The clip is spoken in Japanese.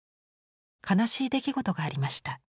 悲しい出来事がありました。